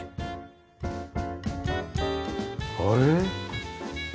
あれ？